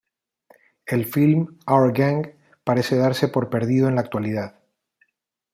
El film "Our Gang" parece darse por perdido en la actualidad.